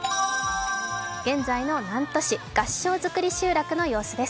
現在の南砺市、合掌造り集落の様子です。